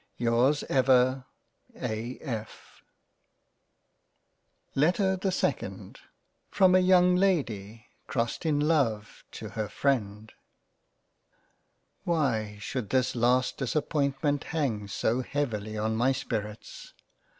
Yrs Ever A. F. LETTER the SECOND From a YOUNG LADY crossed in Love to her freind WHY should this last disappointment hang so heavily on my spirits